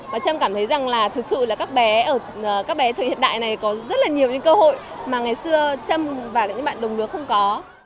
và trâm cảm thấy rằng là thực sự là các bé ở các bé thời hiện đại này có rất là nhiều những cơ hội mà ngày xưa trâm và những bạn đồng lứa không có